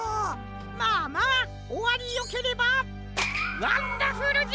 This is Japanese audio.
まあまあおわりよければワンダフルじゃ！